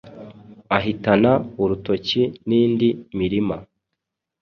ahitana urutoki n’indi mirima,